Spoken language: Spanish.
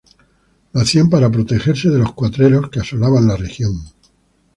Lo hacían para protegerse de los cuatreros que asolaban la región.